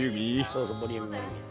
そうそうボリューミー。